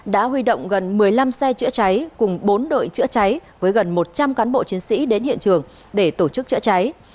đã huy động gần một mươi năm xe chữa cháy cùng bốn đội chữa cháy với gần một trăm linh cán bộ chiến sĩ đến hiện trường để tổ chức chữa cháy